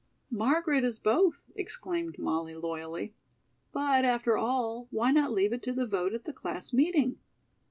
"Margaret is both," exclaimed Molly loyally; "but, after all, why not leave it to the vote at the class meeting?"